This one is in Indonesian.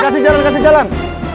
kasih jalan kasih jalan